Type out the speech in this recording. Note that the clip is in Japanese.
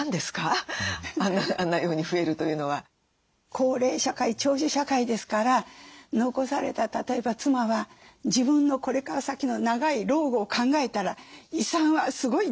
高齢社会長寿社会ですから残された例えば妻は自分のこれから先の長い老後を考えたら遺産はすごい大事ですよ。